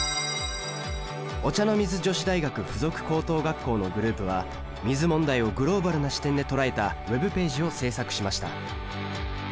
お茶の水女子大学附属高等学校のグループは水問題をグローバルな視点で捉えたＷｅｂページを制作しました。